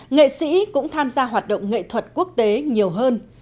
nghệ sĩ cũng tham gia hoạt động nghệ thuật quốc tế nhiều hơn